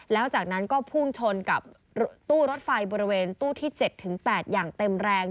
แล้วจากนั้นก็พุ่งชนกับตู้รถไฟบริเวณตู้ที่๗๘อย่างเต็มแรง